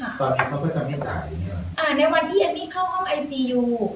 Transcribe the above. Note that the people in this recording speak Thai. ตอนนี้เขาค่อยทำให้จ่ายอย่างนี้หรออ่าในวันที่เอ็มมี่เข้าห้องไอซียู